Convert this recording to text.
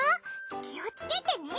気をつけてね！